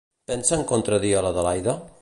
Pensa en contradir a l'Adelaida?